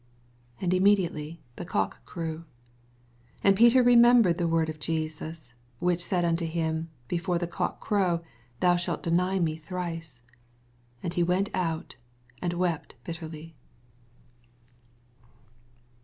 And immediately the cock crew. 75 And Peter remembered the word of Jesus, which said unto him. Before the cock crow, thou shaJt deny me thrice. And he went out, and wept bitterly.